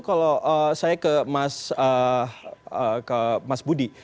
kalau saya ke mas budi